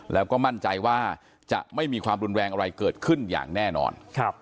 แล้วก็มั่นใจว่าจะไม่มีความรุนแรงอะไรเกิดขึ้นอย่างแน่นอน